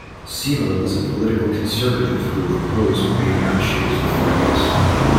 Sima was a political conservative who opposed Wang Anshi's reforms.